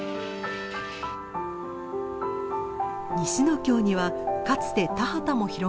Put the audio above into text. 西ノ京にはかつて田畑も広がっていました。